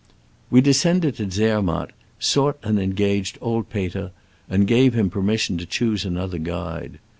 ^ We descended to Zermatt, sought and engaged old Peter, 'and gave him per mission to choose another guide.